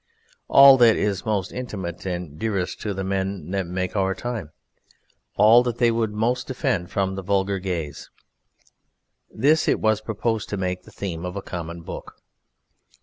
All that is most intimate and dearest to the men that make our time, all that they would most defend from the vulgar gaze, this it was proposed to make the theme of a common book.